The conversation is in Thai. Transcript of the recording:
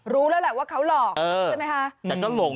รู้แล้วแหละว่าเขาหลอกใช่ไหมคะ